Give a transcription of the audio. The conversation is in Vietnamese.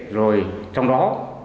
rồi trong đó